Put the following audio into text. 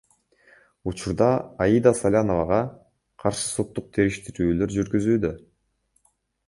Учурда Аида Саляновага каршы соттук териштирүүлөр жүргүзүлүүдө.